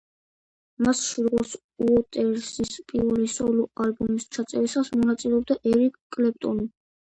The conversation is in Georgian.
მასში, როგორც უოტერსის პირველი სოლო-ალბომის ჩაწერისას, მონაწილეობდა ერიკ კლეპტონი.